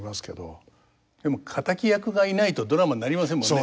でも敵役がいないとドラマになりませんもんね。